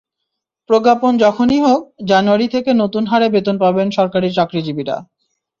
প্রজ্ঞাপন যখনই হোক, জানুয়ারি থেকে নতুন হারে বেতন পাবেন সরকারি চাকরিজীবীরা।